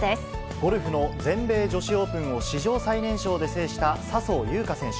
ゴルフの全米女子オープンを史上最年少で制した笹生優花選手。